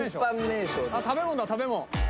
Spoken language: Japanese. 食べ物だ食べ物。